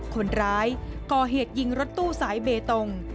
คนร้ายก่อเหตุยิงรถตู้สายเบตง